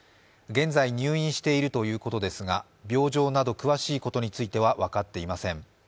現在、入院しているということですが病状など詳しいことについては分かっていません。